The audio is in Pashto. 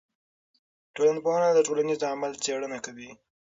ټولنپوهنه د ټولنیز عمل څېړنه کوي.